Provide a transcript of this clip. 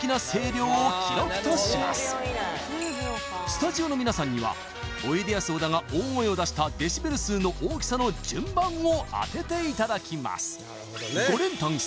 スタジオのみなさんにはおいでやす小田が大声を出したデシベル数の大きさの順番を当てていただきます